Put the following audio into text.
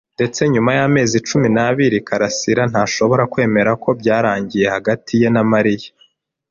Ndetse nyuma y'amezi cumi n'abiri, karasira ntashobora kwemera ko byarangiye hagati ye na Mariya.